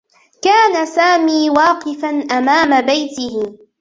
كان سامي واقفا أمام بيته.